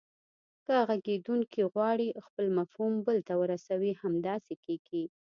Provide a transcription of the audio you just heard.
که غږیدونکی غواړي خپل مفهوم بل ته ورسوي همداسې کیږي